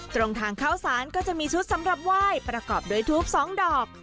ตรงทางเข้าสารก็จะมีชุดสำหรับไหว้ประกอบด้วยทูป๒ดอก